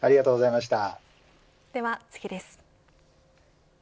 では次です。